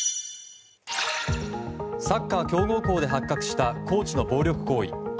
サッカー強豪校で発覚したコーチの暴力行為。